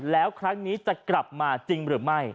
แล้วครั้งนี้จะกลับมาจริงหรือไม่